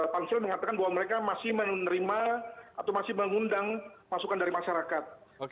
pansel mengatakan bahwa mereka masih menerima atau masih mengundang masukan dari masyarakat